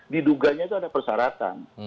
diduganya itu ada persyaratan